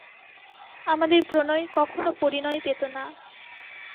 আমাদের প্রণয় কখনও পরিণয় পেত না।